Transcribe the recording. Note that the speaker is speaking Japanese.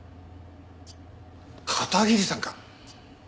片桐さんか？